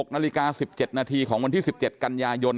๖นาฬิกา๑๗นาทีของวันที่๑๗กันยายน